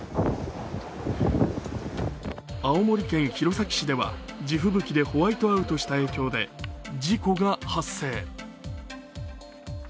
青森県弘前市では地吹雪でホワイトアウトした影響で事故が発生。